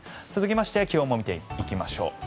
続きまして気温も見ていきましょう。